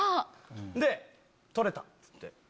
で「撮れた」っつって。